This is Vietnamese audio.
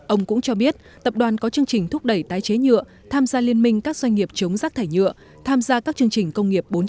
ông cũng cho biết tập đoàn có chương trình thúc đẩy tái chế nhựa tham gia liên minh các doanh nghiệp chống rác thải nhựa tham gia các chương trình công nghiệp bốn